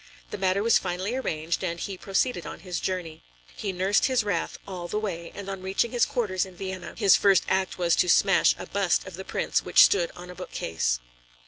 The matter was finally arranged, and he proceeded on his journey. He nursed his wrath all the way, and on reaching his quarters in Vienna, his first act was to smash a bust of the Prince which stood on a bookcase.